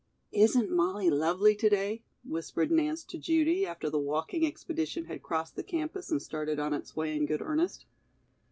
"Isn't Molly lovely to day?" whispered Nance to Judy, after the walking expedition had crossed the campus and started on its way in good earnest.